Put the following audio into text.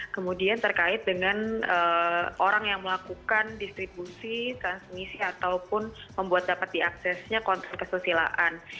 kemudian terkait dengan orang yang melakukan distribusi transmisi ataupun membuat dapat diaksesnya konten kesusilaan